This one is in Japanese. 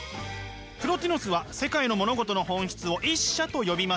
プロティノスは世界の物事の本質を「一者」と呼びました。